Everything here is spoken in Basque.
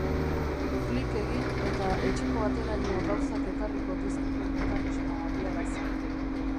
Klik egin eta etxeko ateraino gauzak ekarriko dizkigun mekanismoa abiarazi.